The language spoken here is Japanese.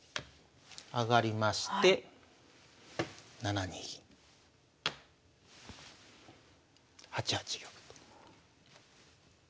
上がりまして７二銀８八玉と。